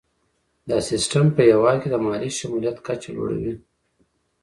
دا سیستم په هیواد کې د مالي شمولیت کچه لوړوي.